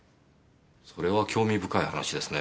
それは興味深い話ですね。